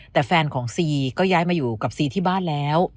แต่แฟนของซีก็ย้ายมาอยู่กับซีที่บ้านแล้ว